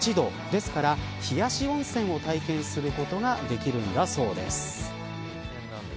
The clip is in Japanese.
ですから、冷やし温泉を体験することができるんだそうです。